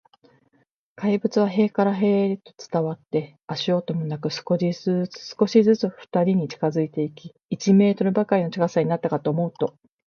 怪物は塀から塀へと伝わって、足音もなく、少しずつ、少しずつ、ふたりに近づいていき、一メートルばかりの近さになったかと思うと、